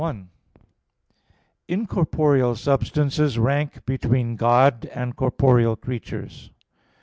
1: Incorporeal substances rank between God and corporeal creatures.